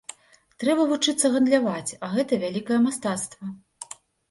Трэба вучыцца гандляваць, а гэта вялікае мастацтва.